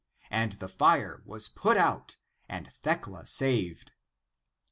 And the fire was put out and Thecla saved.